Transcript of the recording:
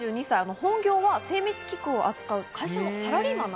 本業は精密機器を扱う会社のサラリーマン。